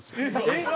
えっ！